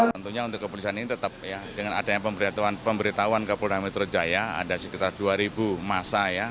tentunya untuk kepolisian ini tetap dengan adanya pemberitahuan kepolisian metro jaya ada sekitar dua ribu masa ya